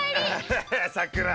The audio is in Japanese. ハッハさくら